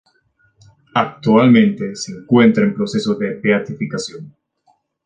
Actualmente se encuentra en proceso de beatificación.